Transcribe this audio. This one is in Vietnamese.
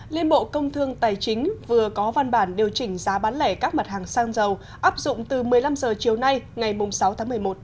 liên bộ công thương tài chính vừa có văn bản điều chỉnh giá bán lẻ các mặt hàng xăng dầu áp dụng từ một mươi năm h chiều nay ngày sáu tháng một mươi một